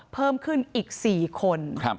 เพิ่มขึ้นอีก๔คน